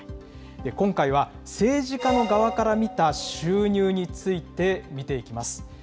今回は政治家の側から見た収入について見ていきます。